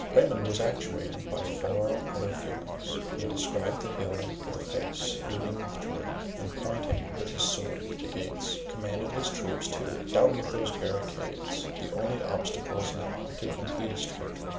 Raymond was actuated by far other feelings. He descended the hill with a face beaming with triumph, and pointing with his sword to the gates, commanded his troops to—down with those barricades—the only obstacles now to completest victory.